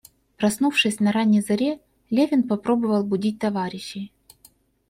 Проснувшись на ранней заре, Левин попробовал будить товарищей.